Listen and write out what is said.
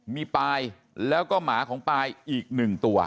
มีปายแล้วก็หมาของปายอีก๑ตัว